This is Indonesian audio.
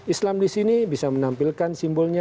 islam di sini bisa menampilkan simbolnya